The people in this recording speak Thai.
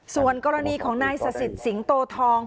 ส่วนกรณีของนายศัสตริตสิงห์โตทอง